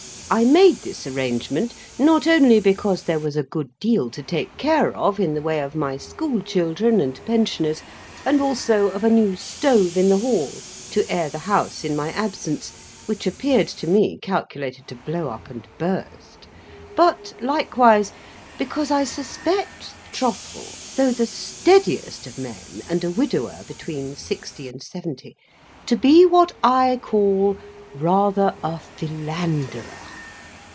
I made this arrangement, not only because there was a good deal to take care of in the way of my school children and pensioners, and also of a new stove in the hall to air the house in my absence, which appeared to me calculated to blow up and burst; but, likewise because I suspect Trottle (though the steadiest of men, and a widower between sixty and seventy) to be what I call rather a Philanderer.